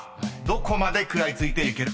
どこまで食らいついていけるか］